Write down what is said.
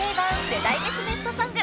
世代別ベストソング』］